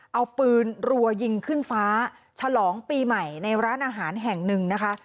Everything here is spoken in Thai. เอาปืนรัวยิงขึ้นฟ้าฉลองปีใหม่ในร้านอาหารแห่งหนึ่งนะคะ